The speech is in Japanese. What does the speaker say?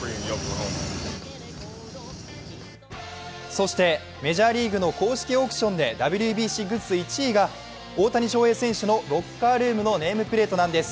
そしてメジャーリーグの公式オークションでＷＢＣグッズ１位が大谷翔平選手のロッカールームのネームプレートなんです。